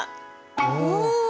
おお！